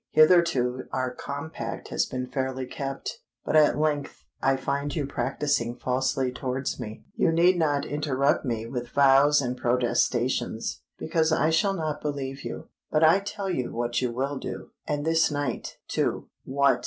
Hitherto our compact has been fairly kept; but at length I find you practising falsely towards me. You need not interrupt me with vows and protestations—because I shall not believe you. But I tell you what you will do—and this night, too." "What?"